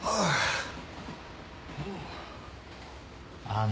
ああ。